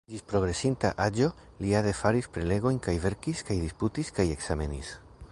Ĝis progresinta aĝo li ade faris prelegojn kaj verkis kaj disputis kaj ekzamenis.